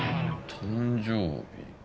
誕生日。